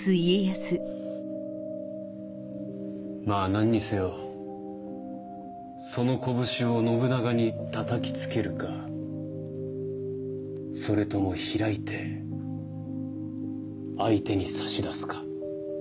まぁ何にせよその拳を信長に叩きつけるかそれとも開いて相手に差し出すか。